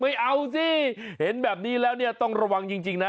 ไม่เอาสิเห็นแบบนี้แล้วเนี่ยต้องระวังจริงนะ